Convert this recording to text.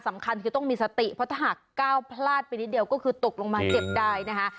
สำคัญคือต้องมีสติเพราะถ้าหากก้าวพลาดไปนิดเดียวก็คือตกลงมาเจ็บได้นะคะ